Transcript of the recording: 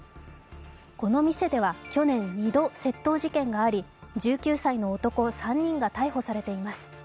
この店では去年、２度窃盗事件があり１９歳の男３人が逮捕されています。